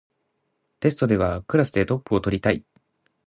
テストではクラスでトップを取りたい